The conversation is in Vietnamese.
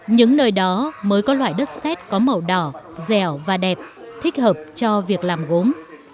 những nơi đó mới có loại đất xét có màu đỏ dẻo và đẹp thích hợp cho việc làm gốm